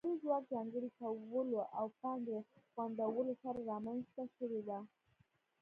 د کاري ځواک ځانګړي کولو او پانګې غونډولو سره رامنځته شوې وه